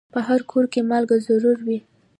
په هر کور کې مالګه ضرور وي.